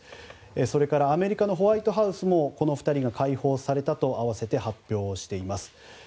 それからアメリカのホワイトハウスもこの２人が解放されたと合わせて発表しています。